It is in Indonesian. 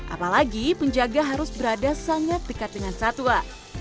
apalagi penjaga harus berada sangat dekat dengan satwa